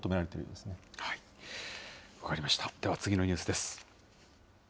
では、次のニュースです。